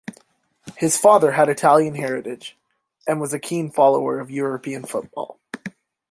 His father had Italian heritage, and was a keen follower of European football.